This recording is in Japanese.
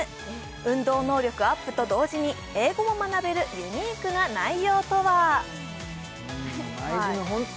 運動能力アップと同時に英語も学べるユニークな内容とはＭｙＧｙｍ